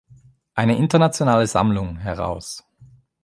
Eine internationale Sammlung" heraus.